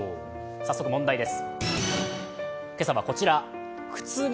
早速問題です。